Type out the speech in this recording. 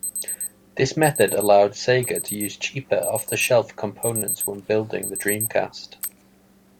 This method allowed Sega to use cheaper off-the-shelf components when building the Dreamcast.